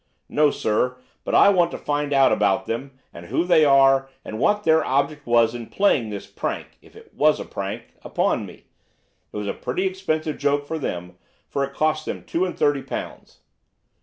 "No, sir. But I want to find out about them, and who they are, and what their object was in playing this prank—if it was a prank—upon me. It was a pretty expensive joke for them, for it cost them two and thirty pounds."